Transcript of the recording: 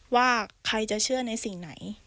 ว่าใครจะเชื่อในสิ่งไหน